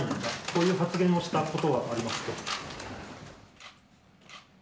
こういう発言をしたことはありますか？